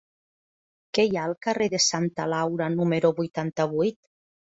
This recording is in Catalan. Què hi ha al carrer de Santa Laura número vuitanta-vuit?